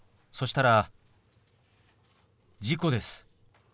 そしたら「事故です。